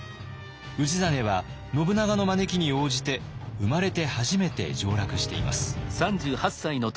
氏真は信長の招きに応じて生まれて初めて上洛しています。